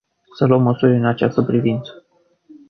Să luăm măsuri în această privință.